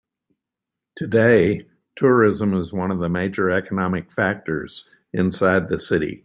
Today, tourism is one of the major economic factors inside the city.